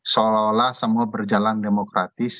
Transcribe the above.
seolah olah semua berjalan demokratis